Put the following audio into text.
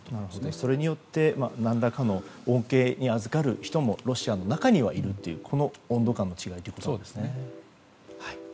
それによって何らかの恩恵にあずかる人もロシアの中にはいるという温度感の違いということですね。